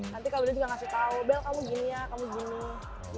nanti kak udah juga ngasih tau bel kamu gini ya kamu gini